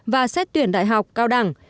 và xét tuyển đại học cao đẳng